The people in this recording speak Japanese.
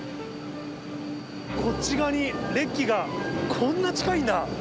こっち側に列機が、こんな近いんだ。